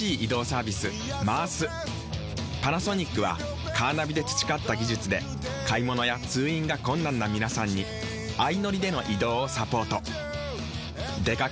パナソニックはカーナビで培った技術で買物や通院が困難な皆さんに相乗りでの移動をサポート。